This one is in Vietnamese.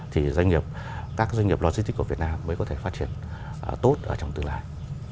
thì các doanh nghiệp logistics của việt nam mới có thể phát triển tốt trong tương lai